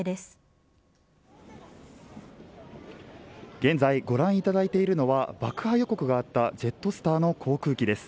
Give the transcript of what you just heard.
現在、ご覧いただいているのは爆破予告があったジェットスターの航空機です。